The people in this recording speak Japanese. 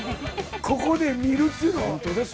ここで見るっていうのは。